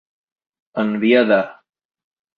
En via de.